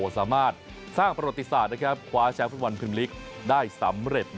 สามารถสร้างประโยชน์ศาสตร์คว้าแชมป์วันพึงฤกษ์ได้สำเร็จ